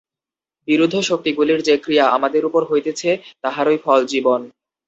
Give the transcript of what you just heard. বিরুদ্ধ শক্তিগুলির যে ক্রিয়া আমাদের উপর হইতেছে, তাহারই ফল জীবন।